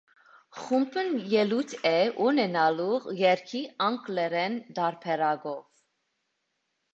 Խումբն ելույթ է ունենալու երգի անգլերեն տարբերակով։